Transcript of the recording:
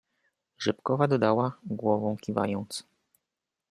"Rzepkowa dodała, głową kiwając."